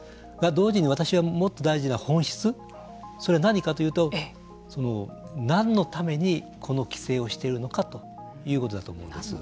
同時に私はもっと大事な本質それは何かというと何のためにこの規制をしているのかということだと思うんです。